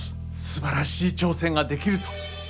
すばらしい挑戦ができると。